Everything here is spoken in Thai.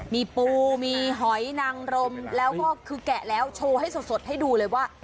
มีปูมีหอยนางรมแล้วก็คือแกะแล้วโชว์ให้สดให้ดูเลยว่า